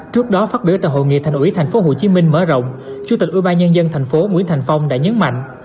trước đó phát biểu tại hội nghị thành ủy tp hcm mở rộng chủ tịch ủy ba nhân dân tp nhcm đã nhấn mạnh